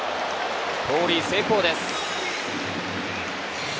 盗塁成功です！